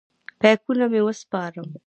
بیکونه مې وسپارم.